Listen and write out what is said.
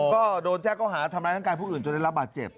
ก็โดนแจ้งเขาหาทำร้ายร่างกายผู้อื่นจนได้รับบาดเจ็บ